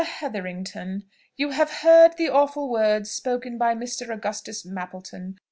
Hetherington! you have heard the awful words spoken by Mr. Augustus Mappleton.